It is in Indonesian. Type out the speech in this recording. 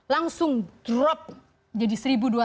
langsung drop jadi satu dua ratus empat puluh lima